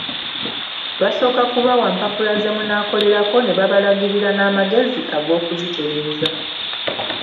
Basooka kubawa mpapula ze munaakolerako ne babalagirira n'amagezi ag'okuzitereeza.